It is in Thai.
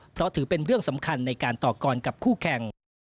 เพราะถือเป็นเรื่องสำคัญในการต่อกรกับคู่แข่ง